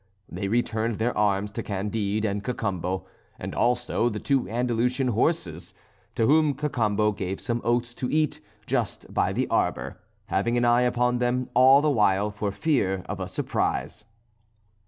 They returned their arms to Candide and Cacambo, and also the two Andalusian horses; to whom Cacambo gave some oats to eat just by the arbour, having an eye upon them all the while for fear of a surprise.